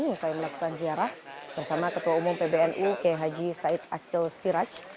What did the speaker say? yang selalu melakukan ziarah bersama ketua umum pbnu kehaji said akhil siraj